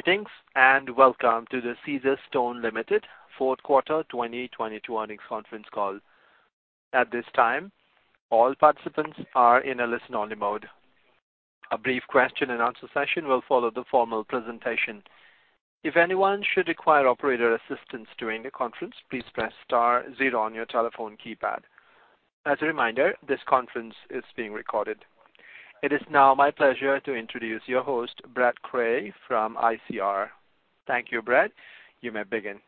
Greetings. Welcome to the Caesarstone Ltd. fourth quarter 2022 earnings conference call. At this time, all participants are in a listen-only mode. A brief question and answer session will follow the formal presentation. If anyone should require operator assistance during the conference, please press * zero on your telephone keypad. As a reminder, this conference is being recorded. It is now my pleasure to introduce your host, Brad Cray from ICR. Thank you, Brad. You may begin.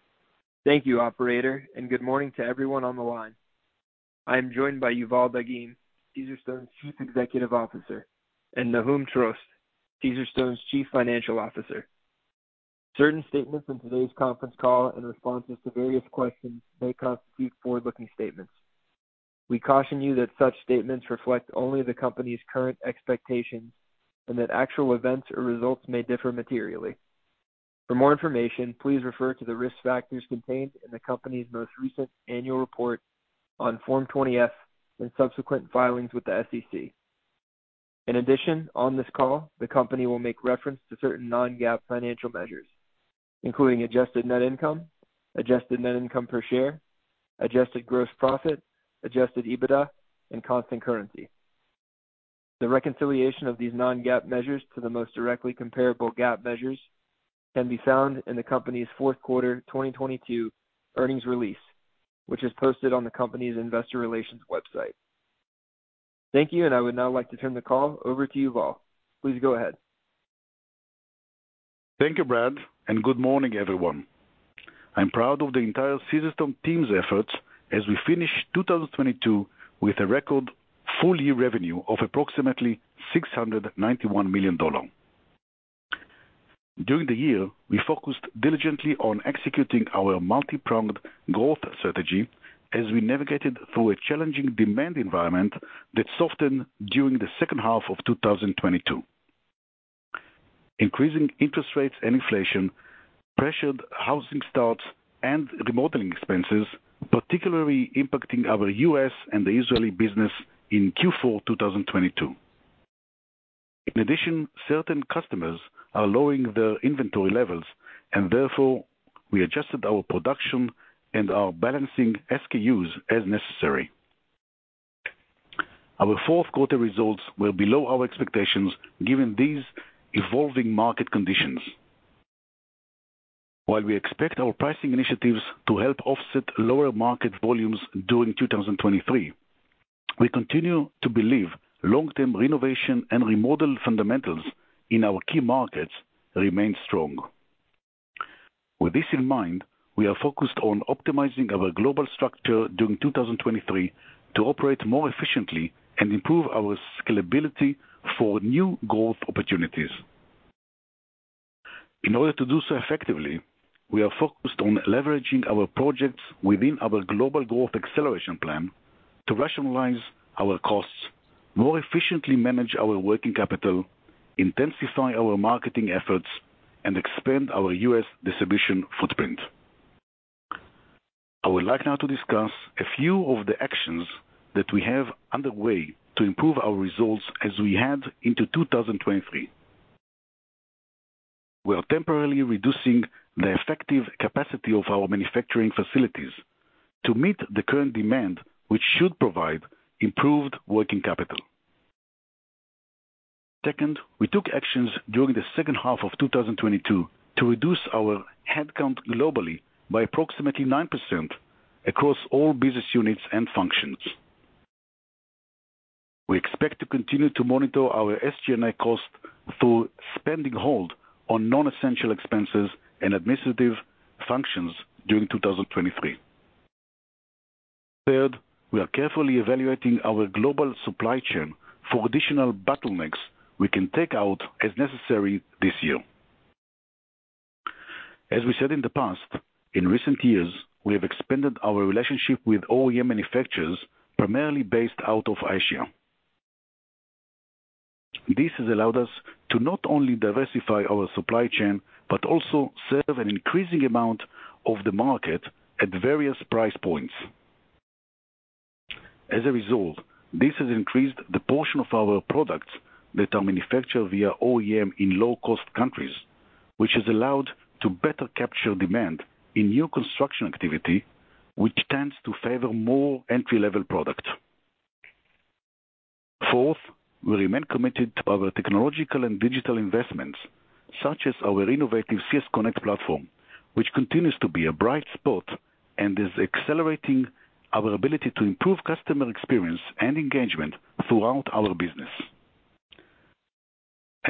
Thank you, operator, and good morning to everyone on the line. I am joined by Yuval Dagim, Caesarstone's Chief Executive Officer, and Nahum Trost, Caesarstone's Chief Financial Officer. Certain statements in today's conference call and responses to various questions may constitute forward-looking statements. We caution you that such statements reflect only the company's current expectations and that actual events or results may differ materially. For more information, please refer to the risk factors contained in the company's most recent annual report on Form 20-F and subsequent filings with the SEC. On this call, the company will make reference to certain non-GAAP financial measures including adjusted net income, adjusted net income per share, adjusted gross profit, adjusted EBITDA, and constant currency. The reconciliation of these non-GAAP measures to the most directly comparable GAAP measures can be found in the company's fourth quarter 2022 earnings release, which is posted on the company's investor relations website. Thank you. I would now like to turn the call over to Yuval. Please go ahead. Thank you, Brad. Good morning, everyone. I'm proud of the entire Caesarstone team's efforts as we finish 2022 with a record full year revenue of approximately $691 million. During the year, we focused diligently on executing our multi-pronged growth strategy as we navigated through a challenging demand environment that softened during the second half of 2022. Increasing interest rates and inflation pressured housing starts and remodeling expenses, particularly impacting our U.S. and the Israeli business in Q4 2022. In addition, certain customers are lowering their inventory levels, therefore we adjusted our production and are balancing SKUs as necessary. Our fourth quarter results were below our expectations given these evolving market conditions. While we expect our pricing initiatives to help offset lower market volumes during 2023, we continue to believe long-term renovation and remodel fundamentals in our key markets remain strong. With this in mind, we are focused on optimizing our global structure during 2023 to operate more efficiently and improve our scalability for new growth opportunities. In order to do so effectively, we are focused on leveraging our projects within our Global Growth Acceleration Plan to rationalize our costs, more efficiently manage our working capital, intensify our marketing efforts, and expand our U.S. distribution footprint. I would like now to discuss a few of the actions that we have underway to improve our results as we head into 2023. We are temporarily reducing the effective capacity of our manufacturing facilities to meet the current demand, which should provide improved working capital. Second, we took actions during the second half of 2022 to reduce our headcount globally by approximately 9% across all business units and functions. We expect to continue to monitor our SG&A costs through spending hold on non-essential expenses and administrative functions during 2023. Third, we are carefully evaluating our global supply chain for additional bottlenecks we can take out as necessary this year. As we said in the past, in recent years, we have expanded our relationship with OEM manufacturers, primarily based out of Asia. This has allowed us to not only diversify our supply chain, but also serve an increasing amount of the market at various price points. As a result, this has increased the portion of our products that are manufactured via OEM in low-cost countries, which has allowed to better capture demand in new construction activity, which tends to favor more entry-level product. Fourth, we remain committed to our technological and digital investments such as our innovative CS Connect platform, which continues to be a bright spot and is accelerating our ability to improve customer experience and engagement throughout our business.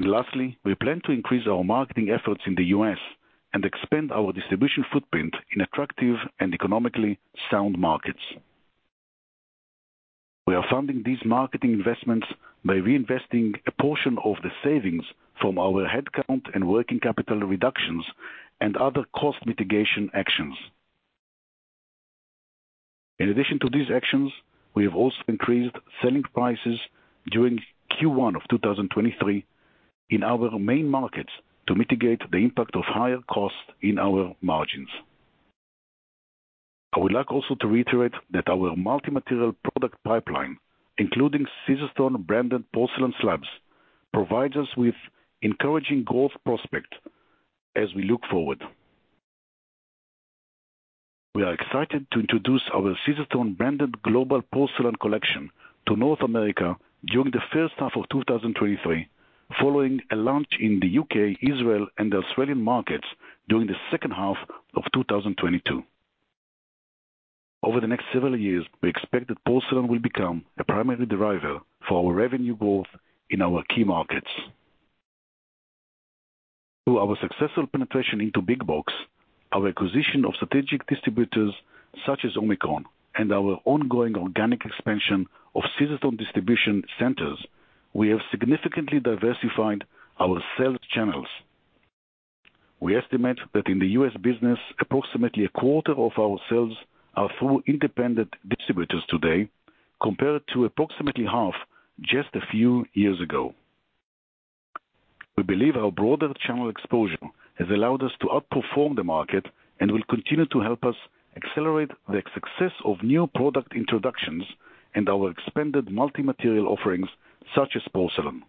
Lastly, we plan to increase our marketing efforts in the U.S. and expand our distribution footprint in attractive and economically sound markets. We are funding these marketing investments by reinvesting a portion of the savings from our headcount and working capital reductions and other cost mitigation actions. In addition to these actions, we have also increased selling prices during Q1 of 2023 in our main markets to mitigate the impact of higher costs in our margins. I would like also to reiterate that our multi-material product pipeline, including Caesarstone-branded porcelain slabs, provides us with encouraging growth prospect as we look forward. We are excited to introduce our Caesarstone-branded global porcelain collection to North America during the first half of 2023, following a launch in the U.K., Israel, and Australian markets during the second half of 2022. Over the next several years, we expect that porcelain will become a primary driver for our revenue growth in our key markets. Through our successful penetration into big box, our acquisition of strategic distributors such as Omicron, and our ongoing organic expansion of Caesarstone distribution centers, we have significantly diversified our sales channels. We estimate that in the U.S. business, approximately a quarter of our sales are through independent distributors today, compared to approximately half just a few years ago. We believe our broader channel exposure has allowed us to outperform the market and will continue to help us accelerate the success of new product introductions and our expanded multi-material offerings such as porcelain.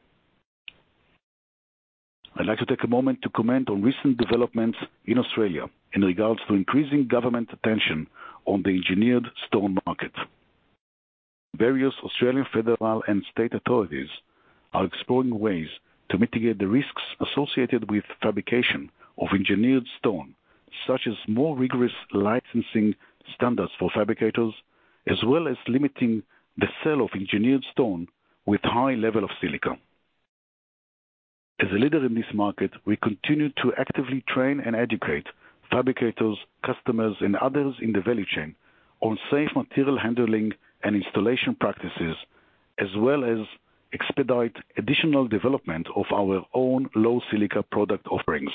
I'd like to take a moment to comment on recent developments in Australia in regards to increasing government attention on the engineered stone market. Various Australian federal and state authorities are exploring ways to mitigate the risks associated with fabrication of engineered stone, such as more rigorous licensing standards for fabricators, as well as limiting the sale of engineered stone with high level of silica. As a leader in this market, we continue to actively train and educate fabricators, customers, and others in the value chain on safe material handling and installation practices, as well as expedite additional development of our own low silica product offerings.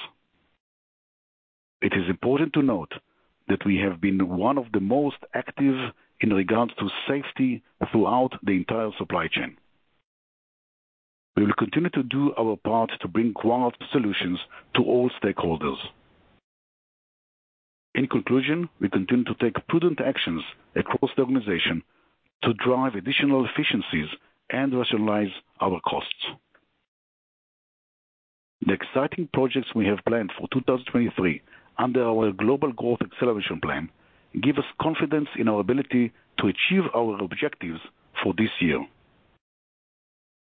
It is important to note that we have been one of the most active in regards to safety throughout the entire supply chain. We will continue to do our part to bring quality solutions to all stakeholders. In conclusion, we continue to take prudent actions across the organization to drive additional efficiencies and rationalize our costs. The exciting projects we have planned for 2023 under our Global Growth Acceleration Plan, give us confidence in our ability to achieve our objectives for this year.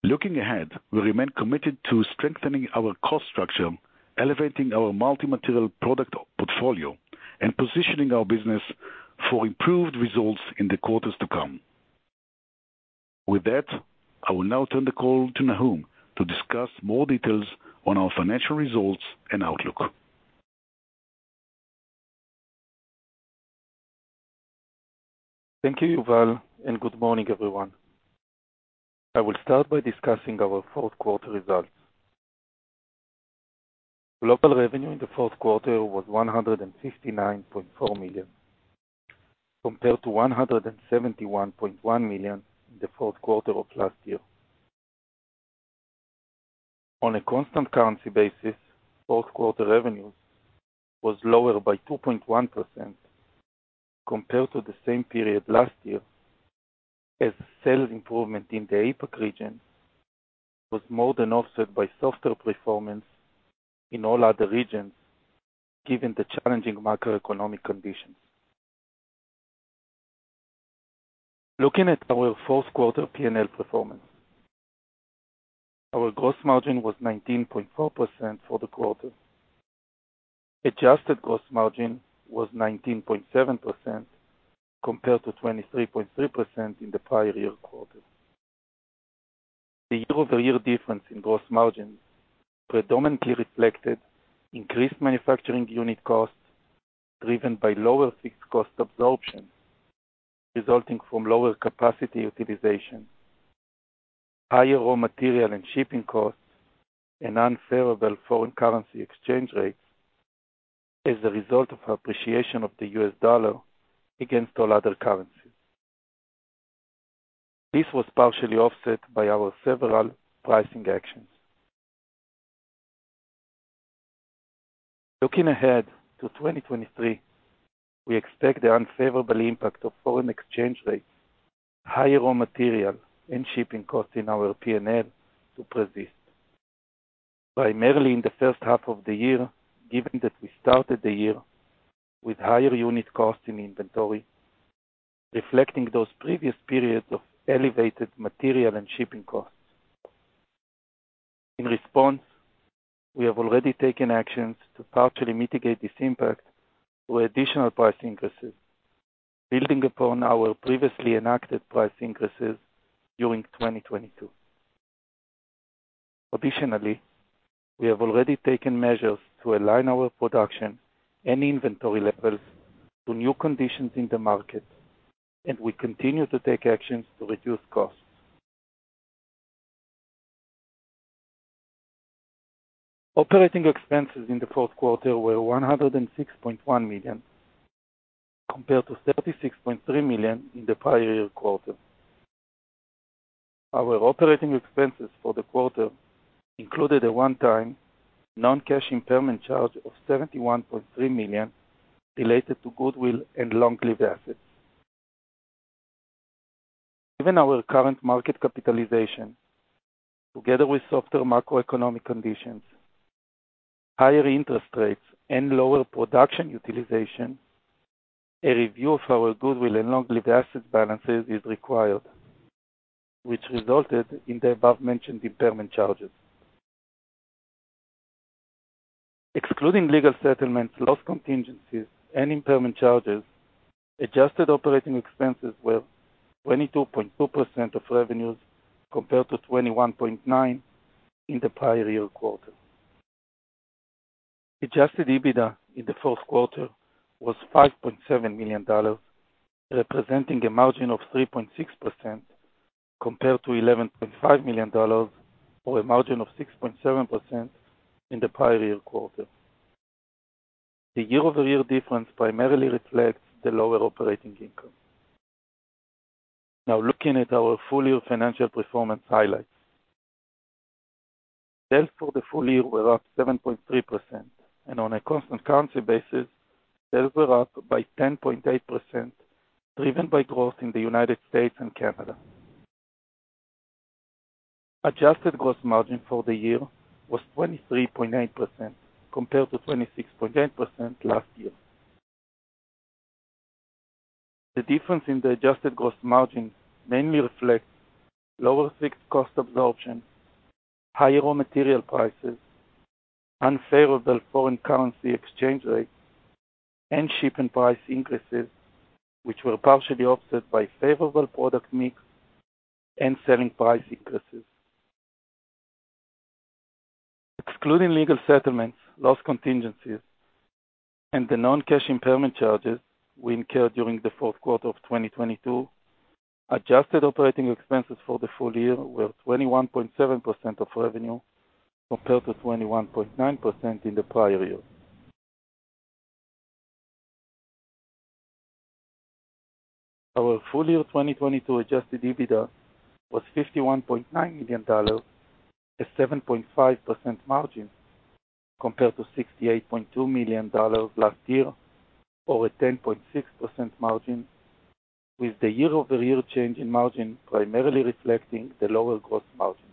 Looking ahead, we remain committed to strengthening our cost structure, elevating our multi-material product portfolio, and positioning our business for improved results in the quarters to come. With that, I will now turn the call to Nahum to discuss more details on our financial results and outlook. Thank you, Yuval. Good morning, everyone. I will start by discussing our fourth quarter results. Global revenue in the fourth quarter was $159.4 million, compared to $171.1 million in the fourth quarter of last year. On a constant currency basis, fourth quarter revenues was lower by 2.1% compared to the same period last year, as sales improvement in the APAC region was more than offset by softer performance in all other regions, given the challenging macroeconomic conditions. Looking at our fourth quarter PNL performance. Our gross margin was 19.4% for the quarter. Adjusted gross margin was 19.7% compared to 23.3% in the prior year quarter. The year-over-year difference in gross margins predominantly reflected increased manufacturing unit costs, driven by lower fixed cost absorption, resulting from lower capacity utilization, higher raw material and shipping costs, and unfavorable foreign currency exchange rates as a result of appreciation of the U.S., dollar against all other currencies. This was partially offset by our several pricing actions. Looking ahead to 2023, we expect the unfavorable impact of foreign exchange rates, higher raw material, and shipping costs in our PNL to persist, primarily in the first half of the year, given that we started the year with higher unit costs in inventory, reflecting those previous periods of elevated material and shipping costs. In response, we have already taken actions to partially mitigate this impact through additional price increases, building upon our previously enacted price increases during 2022. We have already taken measures to align our production and inventory levels to new conditions in the market, and we continue to take actions to reduce costs. Operating expenses in the fourth quarter were $106.1 million, compared to $36.3 million in the prior year quarter. Our operating expenses for the quarter included a one-time non-cash impairment charge of $71.3 million related to goodwill and long-lived assets. Given our current market capitalization, together with softer macroeconomic conditions, higher interest rates, and lower production utilization, a review of our goodwill and long-lived asset balances is required, which resulted in the above-mentioned impairment charges. Excluding legal settlements, loss contingencies, and impairment charges, adjusted operating expenses were 22.2% of revenues compared to 21.9% in the prior year quarter. Adjusted EBITDA in the fourth quarter was $5.7 million, representing a margin of 3.6% compared to $11.5 million or a margin of 6.7% in the prior year quarter. The year-over-year difference primarily reflects the lower operating income. Now looking at our full year financial performance highlights. Sales for the full year were up 7.3%, and on a constant currency basis, sales were up by 10.8%, driven by growth in the United States and Canada. Adjusted gross margin for the year was 23.8% compared to 26.8% last year. The difference in the adjusted gross margin mainly reflects lower fixed cost absorption, higher raw material prices, unfavorable foreign currency exchange rates, and shipping price increases, which were partially offset by favorable product mix and selling price increases. Excluding legal settlements, loss contingencies, and the non-cash impairment charges we incurred during the fourth quarter of 2022, adjusted operating expenses for the full year were 21.7% of revenue, compared to 21.9% in the prior year. Our full year 2022 adjusted EBITDA was $51.9 million, a 7.5% margin compared to $68.2 million last year or a 10.6% margin, with the year-over-year change in margin primarily reflecting the lower gross margin.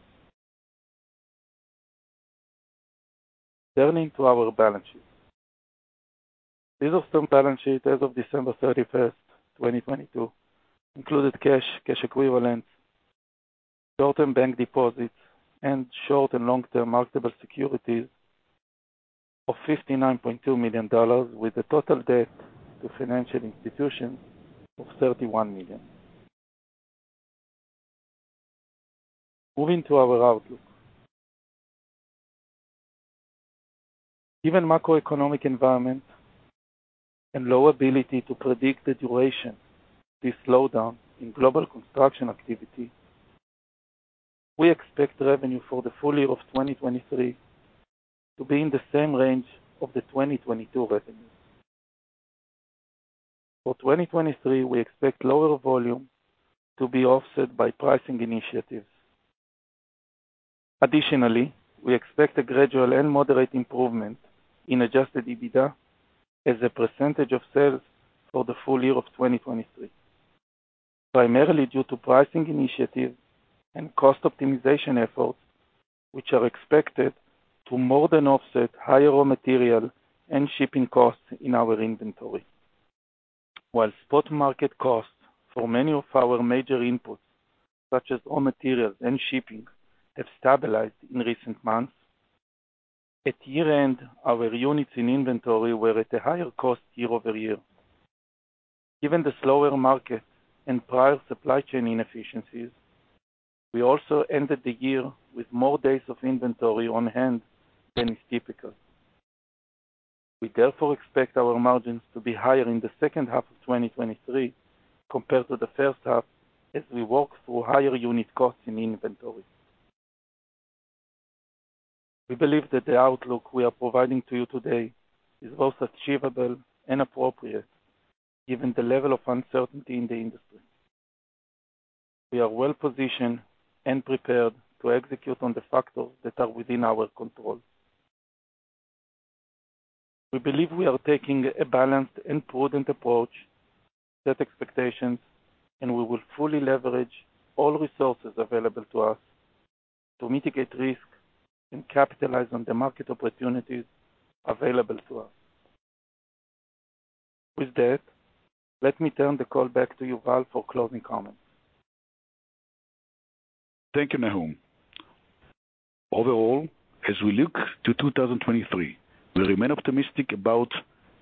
Turning to our balance sheet. Caesarstone balance sheet as of December 31st, 2022 included cash equivalents, short-term bank deposits, and short and long-term marketable securities of $59.2 million, with a total debt to financial institutions of $31 million. Moving to our outlook. Given macroeconomic environment and low ability to predict the duration, the slowdown in global construction activity, we expect revenue for the full year of 2023 to be in the same range of the 2022 revenue. For 2023, we expect lower volume to be offset by pricing initiatives. Additionally, we expect a gradual and moderate improvement in adjusted EBITDA as a percentage of sales for the full year of 2023, primarily due to pricing initiatives and cost optimization efforts, which are expected to more than offset higher raw material and shipping costs in our inventory. While spot market costs for many of our major inputs, such as raw materials and shipping, have stabilized in recent months, at year-end, our units in inventory were at a higher cost year-over-year. Given the slower market and prior supply chain inefficiencies, we also ended the year with more days of inventory on hand than is typical. We therefore expect our margins to be higher in the second half of 2023 compared to the first half as we work through higher unit costs in inventory. We believe that the outlook we are providing to you today is both achievable and appropriate given the level of uncertainty in the industry. We are well-positioned and prepared to execute on the factors that are within our control. We believe we are taking a balanced and prudent approach, set expectations, and we will fully leverage all resources available to us to mitigate risk and capitalize on the market opportunities available to us. With that, let me turn the call back to Yuval for closing comments. Thank you, Nahum. Overall, as we look to 2023, we remain optimistic about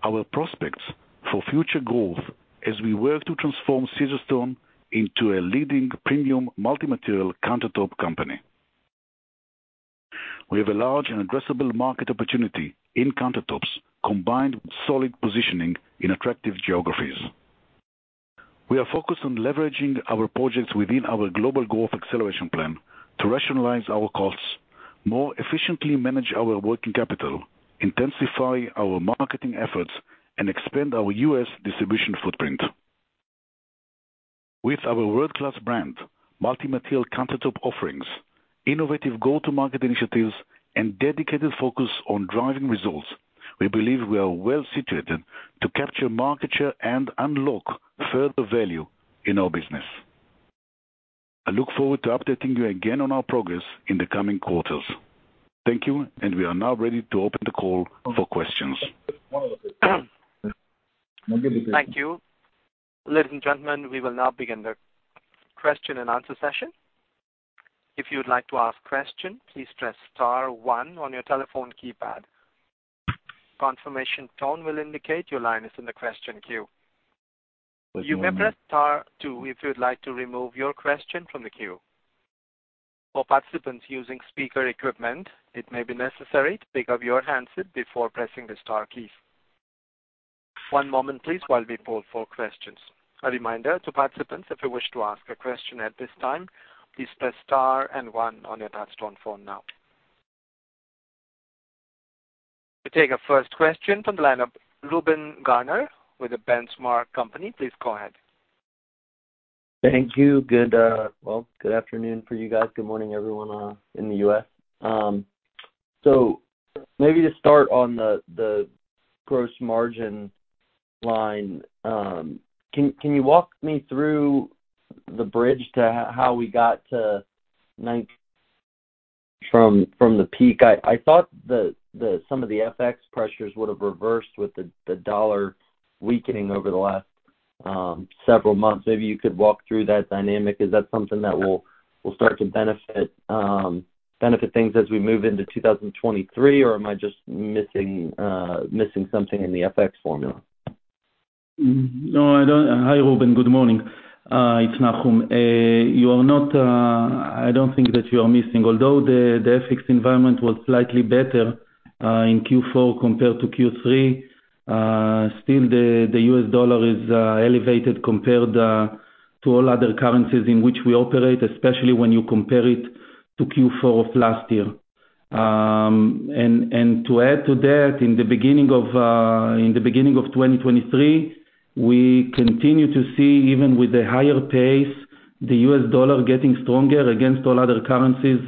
our prospects for future growth as we work to transform Caesarstone into a leading premium multi-material countertop company. We have a large and addressable market opportunity in countertops, combined with solid positioning in attractive geographies. We are focused on leveraging our projects within our Global Growth Acceleration Plan To rationalize our costs, more efficiently manage our working capital, intensify our marketing efforts, and expand our U.S. distribution footprint. With our world-class brand, multi-material countertop offerings, innovative go-to-market initiatives, and dedicated focus on driving results, we believe we are well situated to capture market share and unlock further value in our business. I look forward to updating you again on our progress in the coming quarters. Thank you. We are now ready to open the call for questions. Thank you. Ladies and gentlemen, we will now begin the question and answer session. If you'd like to ask question, please press * one on your telephone keypad. Confirmation tone will indicate your line is in the question queue. You may press * two if you'd like to remove your question from the queue. For participants using speaker equipment, it may be necessary to pick up your handset before pressing the * key. One moment please, while we pull for questions. A reminder to participants, if you wish to ask a question at this time, please press * and one on your touch-tone phone now. We take our first question from the line of Reuben Garner with The Benchmark Company. Please go ahead. Thank you. Good, well, good afternoon for you guys. Good morning, everyone in the U.S. Maybe to start on the gross margin line, can you walk me through the bridge to how we got to 9% from the peak? I thought some of the FX pressures would have reversed with the dollar weakening over the last several months. Maybe you could walk through that dynamic. Is that something that will start to benefit things as we move into 2023 or am I just missing something in the FX formula? No, I don't... Hi, Reuben. Good morning. it's Nahum. you are not, I don't think that you are missing. Although the FX environment was slightly better in Q4 compared to Q3, still the U.S., Dollar is elevated compared to all other currencies in which we operate, especially when you compare it to Q4 of last year. To add to that, in the beginning of 2023, we continue to see, even with the higher pace, the U.S., dollar getting stronger against all other currencies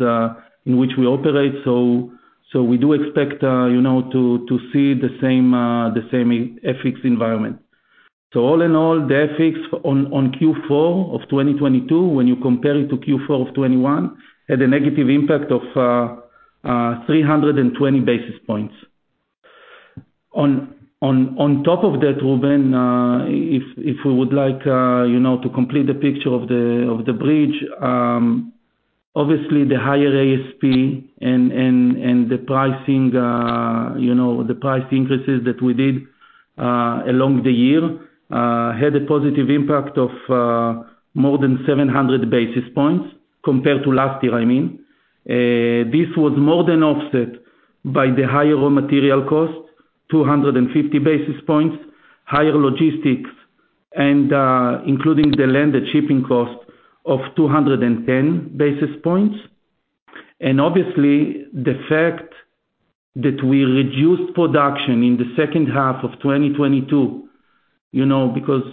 in which we operate. we do expect, you know, to see the same FX environment. All in all, the FX on Q4 of 2022, when you compare it to Q4 of 2021, had a negative impact of 320 basis points. On top of that, Reuben, if we would like, you know, to complete the picture of the bridge, obviously the higher ASP and the pricing, you know, the price increases that we did along the year, had a positive impact of more than 700 basis points compared to last year, I mean. This was more than offset by the higher raw material cost, 250 basis points, higher logistics and including the landed shipping cost of 210 basis points. Obviously, the fact that we reduced production in the second half of 2022, you know, because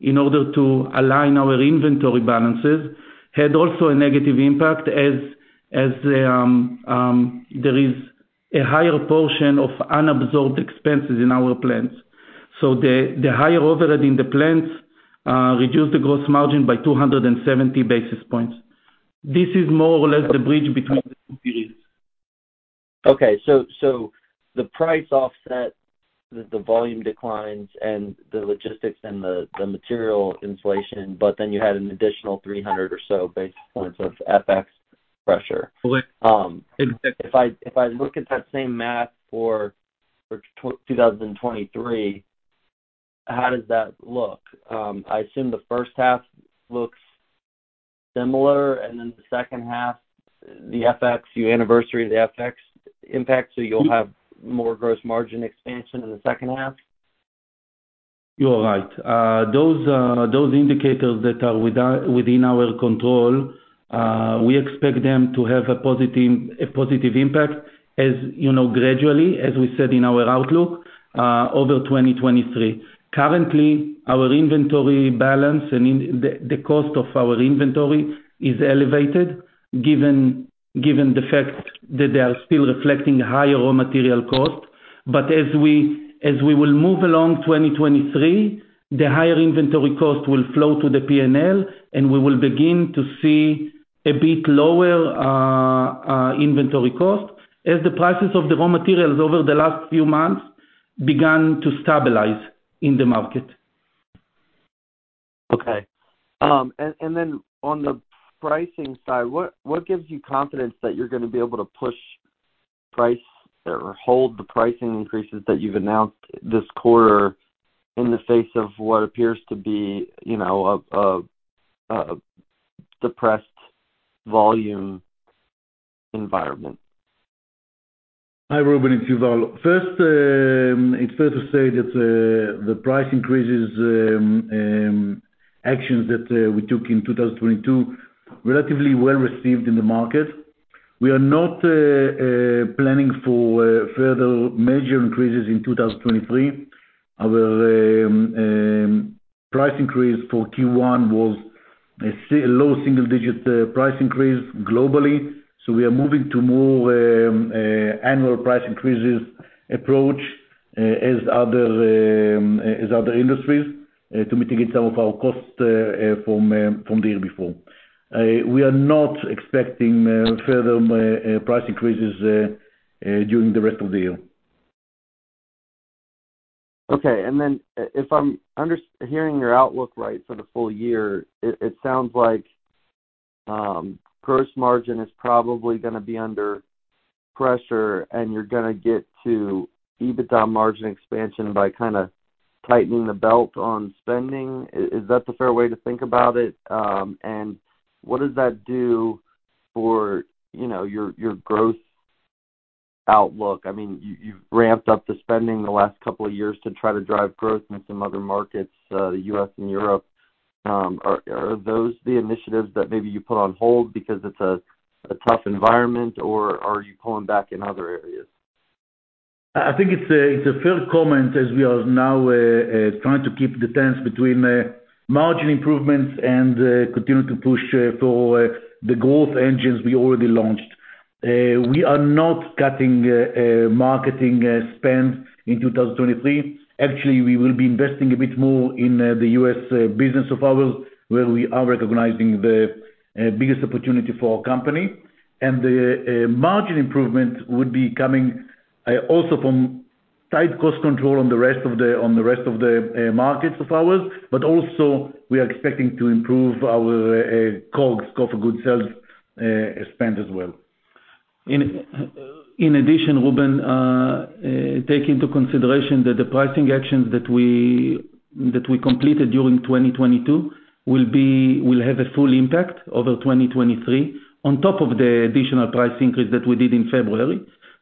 in order to align our inventory balances, had also a negative impact as the, there is a higher portion of unabsorbed expenses in our plants. The higher overhead in the plants reduced the gross margin by 270 basis points. This is more or less the bridge between the two periods. Okay. The price offset the volume declines and the logistics and the material inflation, but then you had an additional 300 or so basis points of FX pressure. Correct. if I look at that same math for 2023, how does that look? I assume the first half looks similar, and then the second half, the FX, your anniversary, the FX impact, so you'll have more gross margin expansion in the second half? You're right. Those indicators that are within our control, we expect them to have a positive impact as, you know, gradually, as we said in our outlook, over 2023. Currently, our inventory balance and the cost of our inventory is elevated given the fact that they are still reflecting higher raw material cost. As we will move along 2023, the higher inventory cost will flow to the PNL, and we will begin to see a bit lower inventory cost as the prices of the raw materials over the last few months began to stabilize in the market. Okay. Then on the pricing side, what gives you confidence that you're gonna be able to push price or hold the pricing increases that you've announced this quarter in the face of what appears to be, you know, a suppressed volume environment? Hi, Reuben. It's Yuval. First, it's fair to say that the price increases actions that we took in 2022 relatively well received in the market. We are not planning for further major increases in 2023. Our price increase for Q1 was a low single-digit price increase globally. We are moving to more annual price increases approach as other industries to mitigate some of our costs from the year before. We are not expecting further price increases during the rest of the year. Okay. If I'm hearing your outlook right for the full year, it sounds like gross margin is probably gonna be under pressure, and you're gonna get to EBITDA margin expansion by kinda tightening the belt on spending. Is that a fair way to think about it? What does that do for, you know, your growth outlook? I mean, you've ramped up the spending the last couple of years to try to drive growth in some other markets, U.S., and Europe. Are those the initiatives that maybe you put on hold because it's a tough environment or are you pulling back in other areas? I think it's a fair comment as we are now trying to keep the tense between margin improvements and continue to push for the growth engines we already launched. We are not cutting marketing spends in 2023. Actually, we will be investing a bit more in the U.S. business of ours, where we are recognizing the biggest opportunity for our company. The margin improvement would be coming also from tight cost control on the rest of the markets of ours. Also, we are expecting to improve our COGS, cost of goods sell, spend as well. In addition, Reuben, take into consideration that the pricing actions that we completed during 2022 will have a full impact over 2023 on top of the additional price increase that we did in February.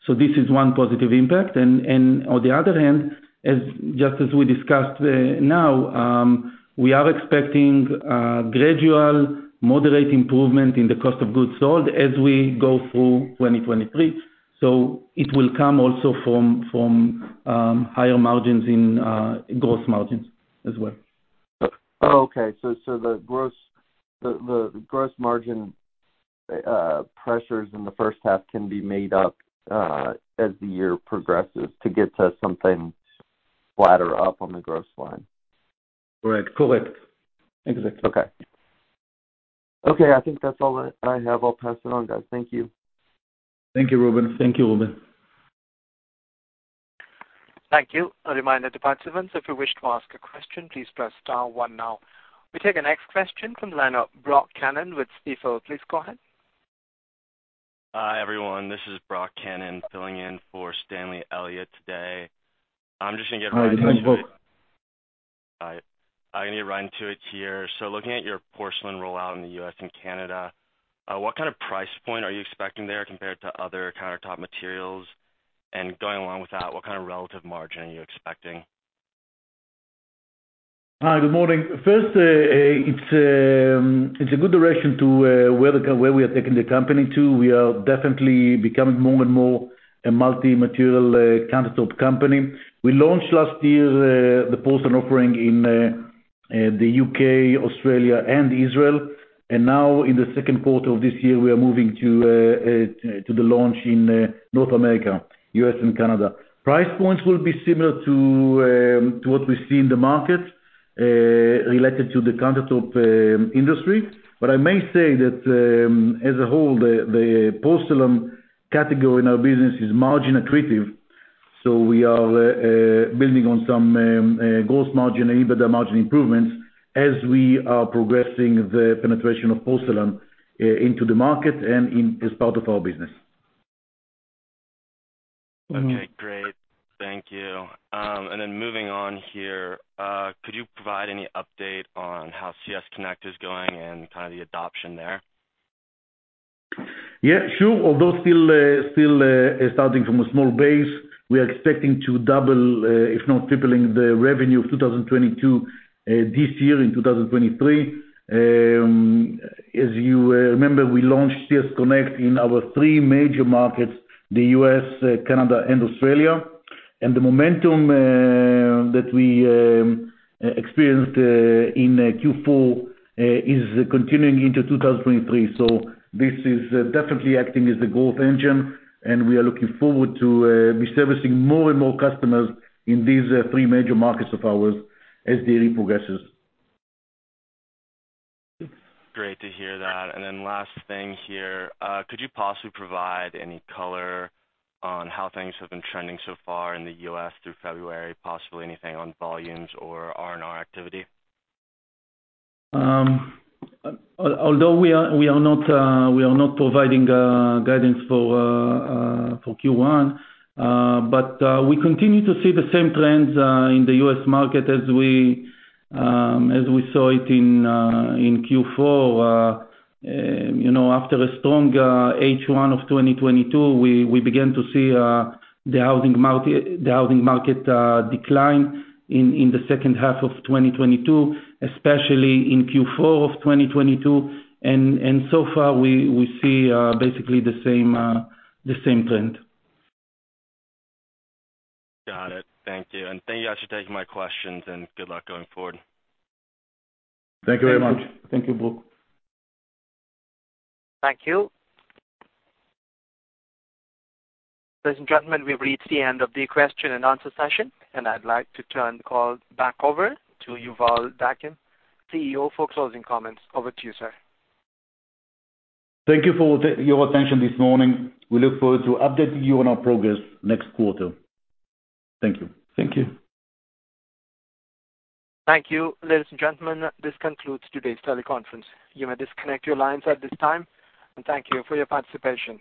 This is one positive impact. On the other hand, just as we discussed now, we are expecting gradual moderate improvement in the cost of goods sold as we go through 2023. It will come also from higher margins in gross margins as well. Okay. The gross margin pressures in the first half can be made up as the year progresses to get to something flatter up on the gross line? Right. Correct. Exactly. Okay. Okay, I think that's all I have. I'll pass it on, guys. Thank you. Thank you, Reuben. Thank you, Reuben. Thank you. A reminder to participants, if you wish to ask a question, please press * one now. We take the next question from the line of Brock Cannon with Stifel. Please go ahead. Hi, everyone. This is Brock Cannon filling in for Stanley Elliott today. I'm just gonna. Hi. Nice voice. All right. I'm gonna run two at here. Looking at your porcelain rollout in the U.S. and Canada, what kind of price point are you expecting there compared to other countertop materials? Going along with that, what kind of relative margin are you expecting? Hi. Good morning. First, it's a good direction to where we are taking the company to. We are definitely becoming more and more a multi-material countertop company. We launched last year the Porcelain offering in the U.K., Australia, and Israel. Now in the second quarter of this year, we are moving to the launch in North America, U.S. and Canada. Price points will be similar to what we see in the market related to the countertop industry. I may say that as a whole, the Porcelain category in our business is margin accretive, so we are building on some gross margin and EBITDA margin improvements as we are progressing the penetration of Porcelain into the market and as part of our business. Okay. Great. Thank you. Moving on here, could you provide any update on how CS Connect is going and kind of the adoption there? Yeah, sure. Although still, starting from a small base, we are expecting to double, if not tripling the revenue of 2022, this year in 2023. As you remember, we launched CS Connect in our three major markets, the U.S., Canada, and Australia. The momentum that we experienced in Q4 is continuing into 2023. This is definitely acting as the growth engine, and we are looking forward to be servicing more and more customers in these three major markets of ours as the year progresses. Great to hear that. Last thing here, could you possibly provide any color on how things have been trending so far in the U.S. through February, possibly anything on volumes or RNR activity? although we are not providing guidance for Q1, but we continue to see the same trends in the U.S. market as we saw it in Q4. you know, after a strong H1 of 2022, we began to see the housing market decline in the second half of 2022, especially in Q4 of 2022. So far we see basically the same trend. Got it. Thank you. Thank you guys for taking my questions, and good luck going forward. Thank you very much. Thank you, Brock. Thank you. Ladies and gentlemen, we've reached the end of the question and answer session. I'd like to turn the call back over to Yuval Dagim, CEO, for closing comments. Over to you, sir. Thank you for your attention this morning. We look forward to updating you on our progress next quarter. Thank you. Thank you. Thank you. Ladies and gentlemen, this concludes today's teleconference. You may disconnect your lines at this time, and thank you for your participation.